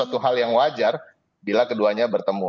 suatu hal yang wajar bila keduanya bertemu